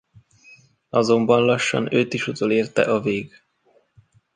Azonban lassan őt is utolérte a vég.